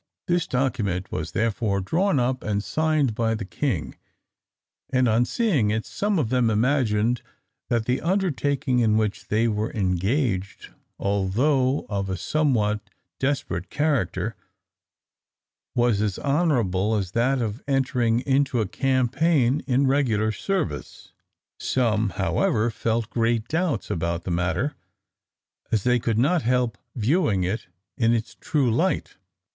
This document was therefore drawn up and signed by the king, and on seeing it, some of them imagined that the undertaking in which they engaged, although of a somewhat desperate character, was as honourable as that of entering into a campaign in regular service. Some, however, felt great doubts about the matter, as they could not help viewing it in its true light.